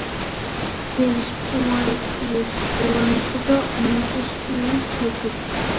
ბერის, პუატიეს, ოვერნისა და მონტესპიერის ჰერცოგი.